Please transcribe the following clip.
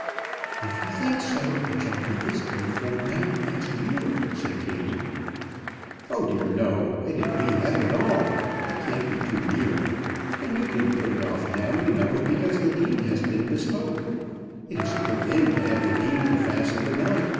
"If you think so, it shall be this day fortnight next year," said Kattie. "Oh dear no! I didn't mean that at all. It can't be too near. And you couldn't put it off now, you know, because the Dean has been bespoke. It is a good thing to have the Dean to fasten the knot.